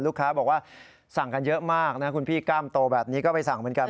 ลูกค้าบอกว่าสั่งกันเยอะมากนะคุณพี่กล้ามโตแบบนี้ก็ไปสั่งเหมือนกัน